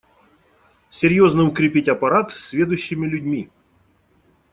Серьезно укрепить аппарат сведущими людьми.